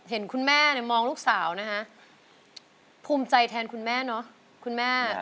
เห็นคุณแม่มองลูกสาวนะพรุ่งใจแทนคุณแม่เนาะ